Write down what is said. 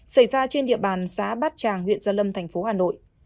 xảy ra trên địa bàn xã bát tràng huyện gia lâm thành phố hà nội